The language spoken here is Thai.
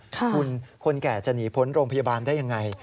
คุณคนแก่จะหนีพ้นโรงพยาบาลได้ยังไง